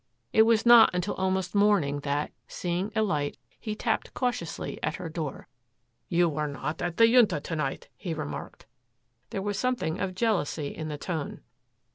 It was not until almost morning that, seeing a light, he tapped cautiously at her door. "You were not at the Junta to night," he remarked. There was something of jealousy in the tone.